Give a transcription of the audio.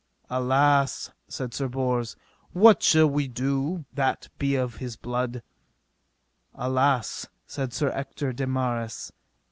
Alas, said Sir Bors, what shall we do that be of his blood? Alas, said Sir Ector de Maris.